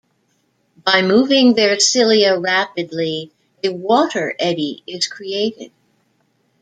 By moving their cilia rapidly, a water eddy is created.